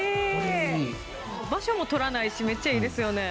場所も取らないしめっちゃいいですよね。